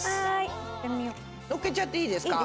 のっけちゃっていいですか？